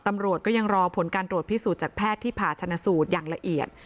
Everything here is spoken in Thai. ตำรวจก็ยังรอผลการตรวจพิสูจน์จากแพทย์ที่ผ่าชนะสูตรอย่างละเอียด